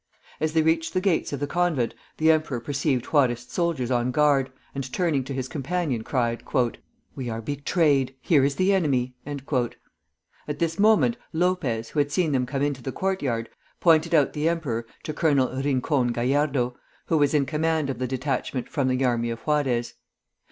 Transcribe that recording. As they reached the gates of the convent the emperor perceived Juarist soldiers on guard, and turning to his companion, cried, "We are betrayed; here is the enemy!" At this moment Lopez, who had seen them come into the court yard, pointed out the emperor to Colonel Rincon Gallardo, who was in command of the detachment from the army of Juarez.